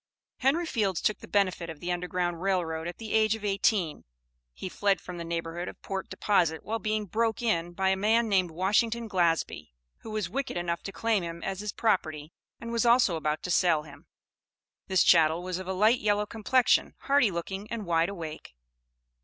] Henry Fields took the benefit of the Underground Rail Road at the age of eighteen. He fled from the neighborhood of Port Deposit while being "broke in" by a man named Washington Glasby, who was wicked enough to claim him as his property, and was also about to sell him. This chattel was of a light yellow complexion, hearty looking and wide awake.